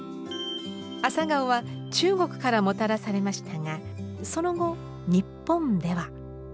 アサガオは中国からもたらされましたがその後日本では。